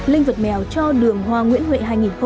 linh vật mèo cho đường hoa nguyễn huệ hai nghìn hai mươi